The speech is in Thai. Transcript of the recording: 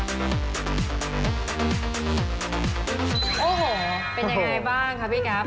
โอ้โฮเป็นยังไงบ้างครับพี่ครับ